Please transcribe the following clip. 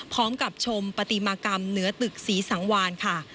ชมปฏิมากรรมเหนือตึกศรีสังวานค่ะ